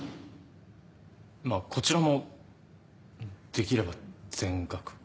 まぁこちらもできれば全額。